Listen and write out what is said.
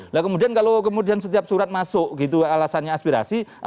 nah kemudian kalau kemudian setiap surat masuk gitu alasannya aspirasi